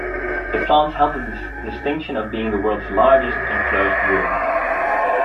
The plant held the distinction of being the world's largest enclosed room.